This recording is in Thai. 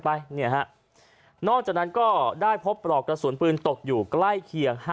นอกจากนั้นก็ได้พบปลอกกระสุนปืนตกอยู่ใกล้เคียง